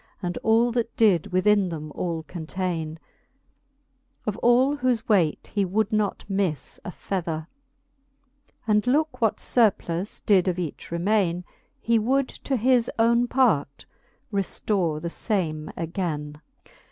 And all that did within them all containe ; Of all whofe weight he would not miffe a fether. And looke what furplus did of each remaine. He would to his owne part reftore the fame againe.